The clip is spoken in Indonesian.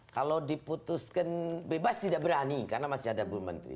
kalau diputuskan bebas tidak berani karena masih ada bumetri